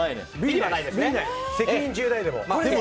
責任重大、でも。